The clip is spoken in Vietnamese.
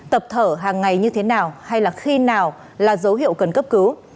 tập thở hàng ngày như thế nào hay là khi nào là dấu hiệu cần cấp cứu